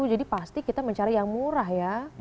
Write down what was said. jadi pasti kita mencari yang murah ya